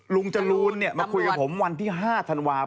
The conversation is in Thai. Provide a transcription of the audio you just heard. ลุงจรูลเนี่ยมาคุยกับผมวันที่๕ธันวาคม